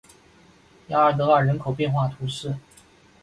雅尔德尔人口变化图示